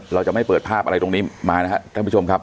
เราจะไม่เปิดภาพอะไรตรงนี้มานะครับท่านผู้ชมครับ